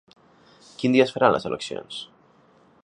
Quin dia es faran les eleccions?